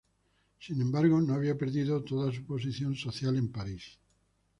Sin embargo, no había perdido toda su posición social en París.